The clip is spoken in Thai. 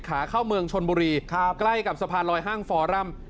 ขาเข้าเมืองชนบุรีใกล้กับสะพานลอยห้างฟอรัม